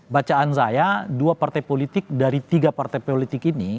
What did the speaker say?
bacaan saya dua partai politik dari tiga partai politik ini